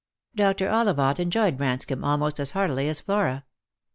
Dr. Ollivant enjoyed Branscomb almost as heartily as Flora.